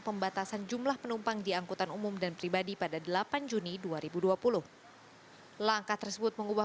pembatasan jumlah penumpang diangkutan umum dan pribadi pada delapan juni dua ribu dua puluh langkah tersebut mengubah